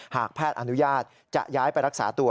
หากแพทย์อนุญาตจะย้ายไปรักษาตัว